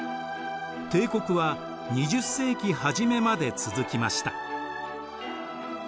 帝国は２０世紀初めまで続きました。